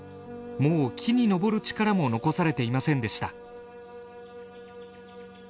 もう木に登る力も残されていませんでした。